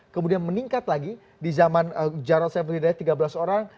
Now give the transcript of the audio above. kemudian meningkat lagi di zaman jarosel pridaya tiga belas orang